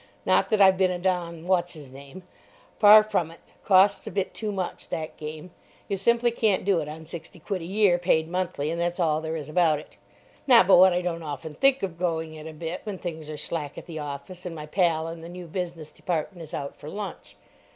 Not that I've been a Don What's his name. Far from it. Costs a bit too much, that game. You simply can't do it on sixty quid a year, paid monthly, and that's all there is about it. Not but what I don't often think of going it a bit when things are slack at the office and my pal in the New Business Department is out for lunch.